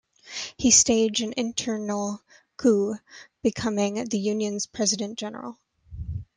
He staged an internal coup, becoming the union's President General.